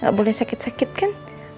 nggak boleh sakit sakit kan